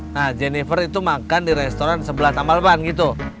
nah jennifer itu makan di restoran sebelah tambal ban gitu